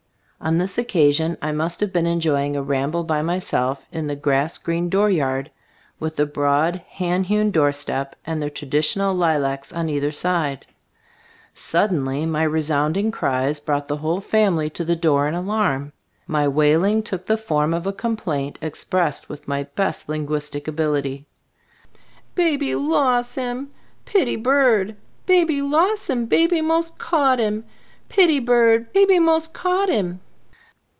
On this occasion I must have been enjoying a ramble by myself in the grass green dooryard, with the broad hand hewn doorstep and the tradi tional lilacs on either side. Suddenly my resounding cries brought the whole family to the door in alarm. My wailing took the form of a com 9 ttbe Stove of fibv GbUfcbooD 13 plaint expressed with my best lin guistic ability: "Baby los' 'im — pitty bird — baby los' 'im — baby mos' caught him — pitty bird — baby mos' caught 'im."